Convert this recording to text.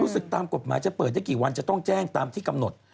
ตามกฎหมายจะเปิดได้กี่วันจะต้องแจ้งตามที่กำหนด